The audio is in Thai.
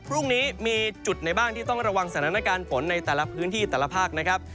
พรุ่งนี้มีจุดไหนบ้างที่ต้องระวังสถานการณ์ฝนในแต่ละพื้นที่แต่ละภาคนะครับ